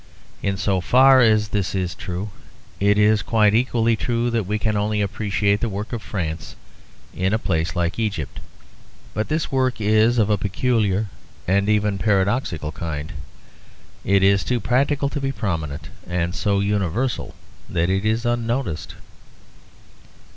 In so far as this is true, it is quite equally true that we can only appreciate the work of France in a place like Egypt. But this work is of a peculiar and even paradoxical kind. It is too practical to be prominent, and so universal that it is unnoticed.